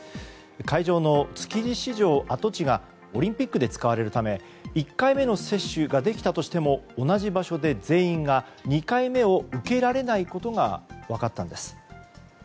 会場の築地市場跡地がオリンピックで使われるため１回目の接種ができたとしても同じ場所で全員が２回目を受けられないことが分かったんです。